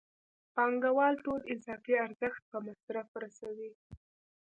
پانګوال ټول اضافي ارزښت په مصرف رسوي